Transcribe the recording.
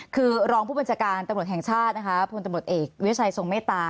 คือรองผู้บัญชาการตำรวจแห่งชาตินะคะพลตำรวจเอกวิชัยทรงเมตตา